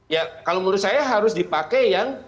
ya kalau menurut saya harus dipakai yang